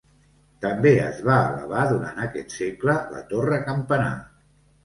També es va elevar durant aquest segle la torre campanar.